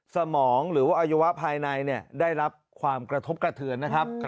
สมองหรือว่าอวัยวะภายในได้รับความกระทบกระเทือนนะครับ